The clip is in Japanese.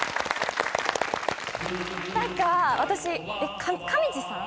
何か私上地さん？